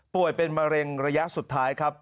เป็นมะเร็งระยะสุดท้ายครับ